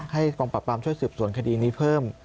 กองปราบปรามช่วยสืบสวนคดีนี้เพิ่ม